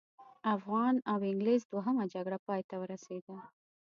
افغان او انګلیس دوهمه جګړه پای ته ورسېده.